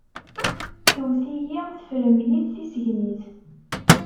Tewwet-iyi tefremlit tissegnit.